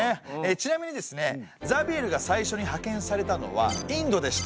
ちなみにですねザビエルが最初に派遣されたのはインドでした。